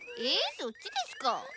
そっちですか？